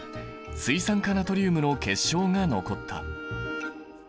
水酸化ナトリウムの結晶が残った。